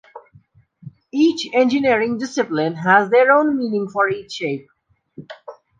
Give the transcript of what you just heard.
Each engineering discipline has their own meaning for each shape.